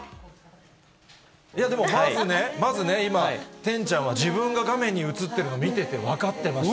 でも、まずね、まずね、今、てんちゃんは自分が画面に映ってるの、見て、分かってましたね。